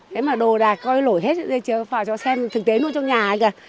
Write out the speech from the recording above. đấy mà đồ đạc coi lỗi hết vào cho xem thực tế luôn trong nhà ấy kìa